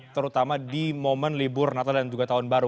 terutama di momen libur natal dan juga tahun baru